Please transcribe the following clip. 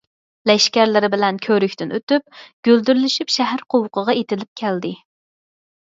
لەشكەرلىرى بىلەن كۆۋرۈكتىن ئۆتۈپ، گۈلدۈرلىشىپ شەھەر قوۋۇقىغا ئېتىلىپ كەلدى.